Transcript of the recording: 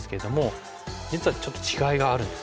実はちょっと違いがあるんですね。